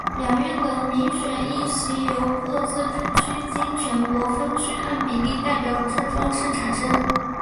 两院的民选议席由各自治区经全国分区按比例代表制方式产生。